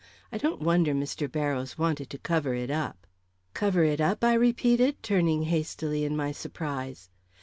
I don't wonder Mr. Barrows wanted to cover it up." "Cover it up?" I repeated, turning hastily in my surprise.